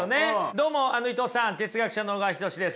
どうも伊藤さん哲学者の小川仁志です。